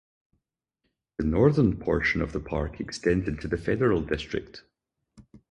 The northern portion of the park extends into the Federal District.